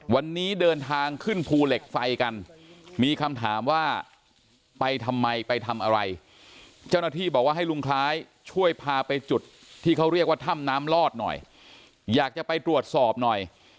วันนี้เดินทางขึ้นภูเหล็กไฟกันมีคำถามว่าไปทำไมไปทำอะไรเจ้าหน้าที่บอกว่าให้ลุงคล้ายช่วยพาไปจุดที่เขาเรียกว่าถ้ำน้ำลอดหน่อยอยากจะไปตรวจสอบหน่อย